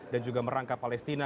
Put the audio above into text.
dan juga merangkap palestina